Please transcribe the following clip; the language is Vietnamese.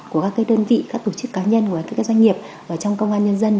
của các đơn vị các tổ chức cá nhân của các doanh nghiệp trong công an nhân dân